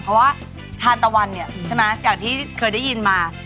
เพราะว่าทานตะวันเนี่ยใช่ไหมอย่างที่เคยได้ยินมา